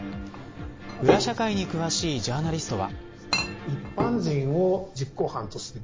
裏社会に詳しいジャーナリストは。